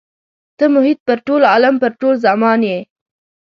ته محیط پر ټول عالم پر ټول زمان یې.